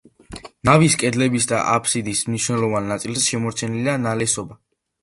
ნავის კედლებისა და აფსიდის მნიშვნელოვან ნაწილზე შემორჩენილია ნალესობა.